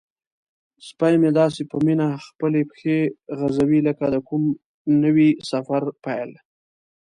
سپی مې داسې په مینه خپلې پښې غځوي لکه د کوم نوي سفر پیل.